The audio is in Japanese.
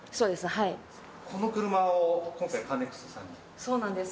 はいそうなんです